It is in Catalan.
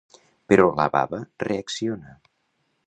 Però la baba reacciona.